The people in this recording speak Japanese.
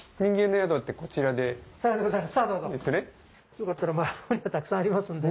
よかったらたくさんありますんで。